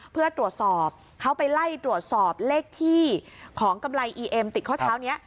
เพื่อตรวจสอบเขาไปไล่ตรวจสอบเลขที่ของกำไรอีเอ็มติดข้อเท้านี้